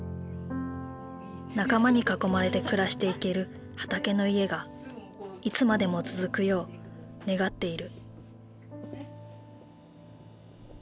仲間に囲まれて暮らしていけるはたけのいえがいつまでも続くよう願っている。